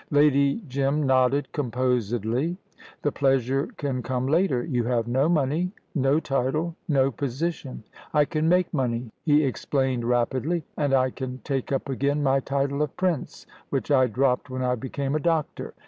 Lady Jim nodded composedly. "The pleasure can come later. You have no money, no title, no position " "I can make money," he explained rapidly; "and I can take up again my title of Prince, which I dropped when I became a doctor.